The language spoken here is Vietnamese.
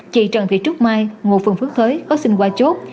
chị trần thị trúc mai ngôi phường phước thới có sinh qua chốt